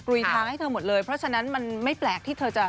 ุยทางให้เธอหมดเลยเพราะฉะนั้นมันไม่แปลกที่เธอจะ